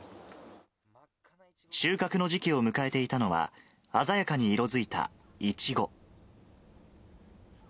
収穫の時期を迎えていたのは、鮮やかに色づいたいちご。